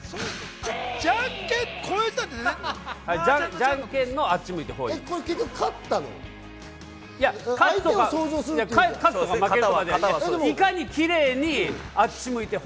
じゃんけんのあっちむいてホ